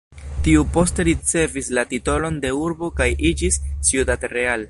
Tiu poste ricevis la titolon de urbo kaj iĝis Ciudad Real.